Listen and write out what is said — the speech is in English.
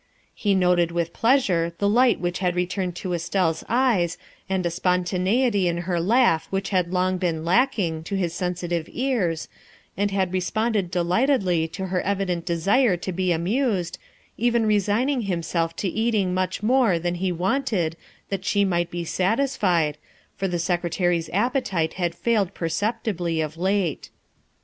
He THE SECRETARY OF STATE 329 noted with pleasure the light which had returned to Estelle 's eyes and a spontaneity in her laugh which had long been lacking to his sensitive ears, and had re sponded delightedly to her evident desire to be amused, even resigning himself to eating much more than he wanted that she might be satisfied, for the Secretary's appetite had failed perceptibly of late.